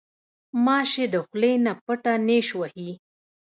غوماشې د خولې نه پټه نیش وهي.